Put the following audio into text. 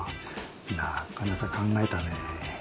なかなか考えたね。